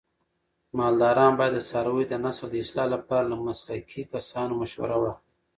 مالداران باید د څارویو د نسل د اصلاح لپاره له مسلکي کسانو مشوره واخلي.